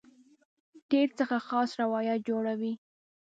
تېر څخه خاص روایت جوړوي.